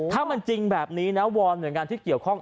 ถ้ามันจริงแบบนี้นะวอนหน่วยงานที่เกี่ยวข้อง